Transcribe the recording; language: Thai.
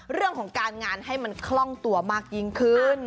เรื่องของการงานให้มันคล่องตัวมากยิ่งขึ้น